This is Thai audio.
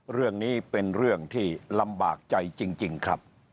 เรื่องนี้เป็นเรื่องที่ลำบากใจจริงครับ